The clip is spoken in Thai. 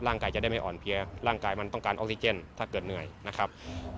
จะได้ไม่อ่อนเพลียร่างกายมันต้องการออกซิเจนถ้าเกิดเหนื่อยนะครับ